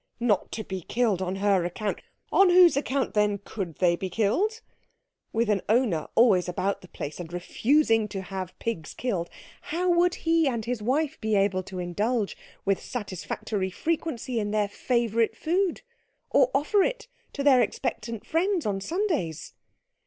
Not to be killed on her account! On whose account, then, could they be killed? With an owner always about the place, and refusing to have pigs killed, how would he and his wife be able to indulge, with satisfactory frequency, in their favourite food, or offer it to their expectant friends on Sundays?